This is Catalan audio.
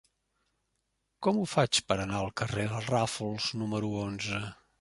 Com ho faig per anar al carrer de Ràfols número onze?